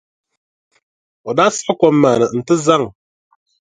O daa siɣi kom maa ni nti zaŋ.